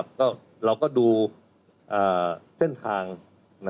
บางคนก็บอกว่าไม่เห็นว่าเข้าห้องน้ำหรือไม่